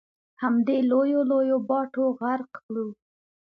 همدې لویو لویو باټو غرق کړو.